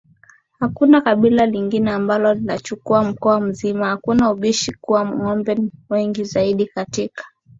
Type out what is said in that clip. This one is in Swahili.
hakuna kabila lingine ambalo linachukua mkoa mzima hakuna ubishi kuwa ngombe wengi zaidi katika